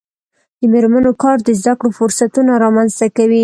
د میرمنو کار د زدکړو فرصتونه رامنځته کوي.